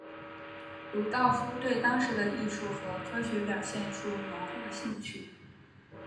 鲁道夫对当时的艺术和科学表现出浓厚的兴趣。